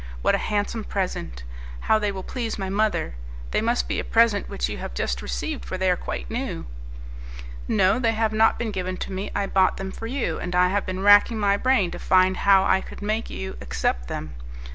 What a handsome present! How they will please my mother! They must be a present which you have just received, for they are quite new." "No, they have not been given to me. I bought them for you, and I have been racking my brain to find how I could make you accept them.